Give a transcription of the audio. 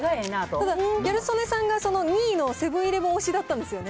ただ、ギャル曽根さんが２位のセブンーイレブン推しだったんですよね。